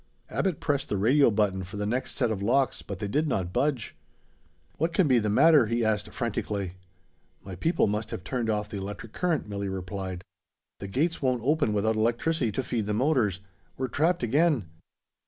Abbot pressed the radio button for the next set of locks, but they did not budge. "What can be the matter?" he asked frantically. "My people must have turned off the electric current," Milli replied. "The gates won't open without electricity to feed the motors. We're trapped again."